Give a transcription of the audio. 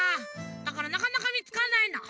だからなかなかみつかんないの。